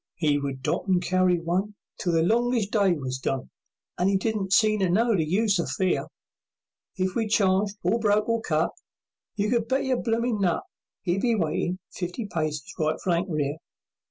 'E would dot and carry one Till the longest day was done, And 'e didn't seem to know the use of fear; If we charged or broke or cut, You could bet your bloomin' nut 'E'd be waitin' fifty paces right flank rear.